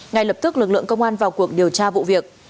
ngay lập tức lực lượng công an vào cuộc điều tra vụ việc